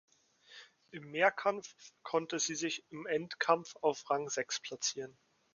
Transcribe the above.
Im Mehrkampf konnte sie sich im Endkampf auf Rang sechs platzieren.